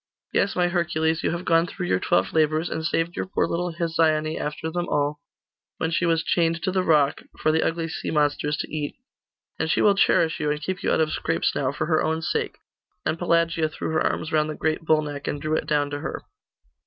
'Yes, my Hercules, you have gone through your twelve labours, and saved your poor little Hesione after them all, when she was chained to the rock, for the ugly sea monsters to eat; and she will cherish you, and keep you out of scrapes now, for her own sake;' and Pelagia threw her arms round the great bull neck, and drew it down to her.